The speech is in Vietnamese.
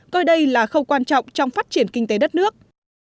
coi đây là khâu quan trọng trong phát triển kinh tế đất nước